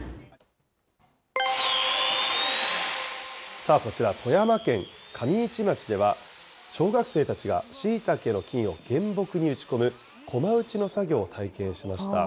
さあこちら、富山県上市町では、小学生たちがしいたけの菌を原木に打ち込む駒打ちの作業を体験しました。